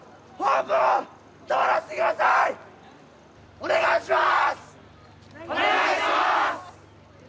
お願いします！